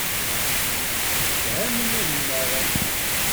Msefhamen ad nnaɣen.